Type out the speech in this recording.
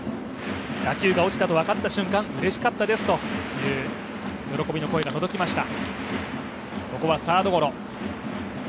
打球が落ちたと分かった瞬間、うれしかったですと喜びの声が届きました。